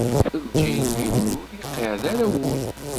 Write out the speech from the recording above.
Lǧil iwumi ur iqɛid ara wul.